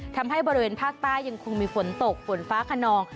ทำให้บริเวณภาคใต้ยังคงมีฝนตกฝนฟ้าขนอง